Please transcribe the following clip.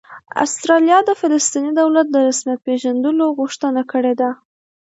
استرالیا د فلسطیني دولت د رسمیت پېژندلو غوښتنه کړې ده